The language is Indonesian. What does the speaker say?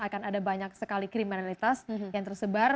akan ada banyak sekali kriminalitas yang tersebar